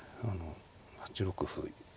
８六歩。